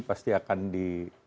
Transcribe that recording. pasti akan di